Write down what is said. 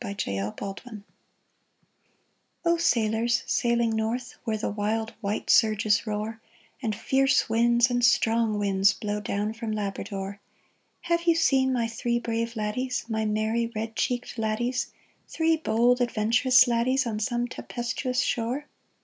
THREE LADDIES O SAILORS sailing north, Where the wild white surges roar, And fierce winds and strong winds Blow down from Labrador — Have you seen my three brave laddies, My merry red cheeked laddies, Three bold, adventurous laddies, On some tempestuous shore